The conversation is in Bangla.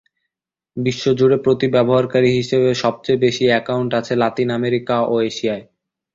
বিশ্বজুড়ে প্রতি ব্যবহারকারী হিসেবে সবচেয়ে বেশি অ্যাকাউন্ট আছে লাতিন আমেরিকা ও এশিয়ায়।